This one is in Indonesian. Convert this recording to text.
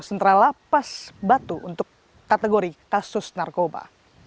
sementara lapas batu untuk kategori kasus narkoba